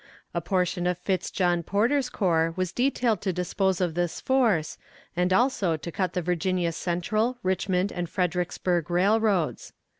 A portion of Fitz John Porter's corps was detailed to dispose of this force, and also to cut the Virginia Central, Richmond and Fredericksburg railroads.